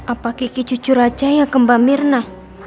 apa kiki cucu raja yang kembah mirna